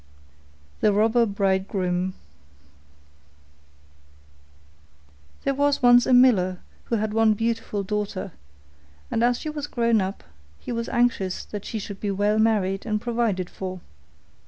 THE ROBBER BRIDEGROOM There was once a miller who had one beautiful daughter, and as she was grown up, he was anxious that she should be well married and provided for.